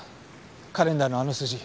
カレンダーのあの数字。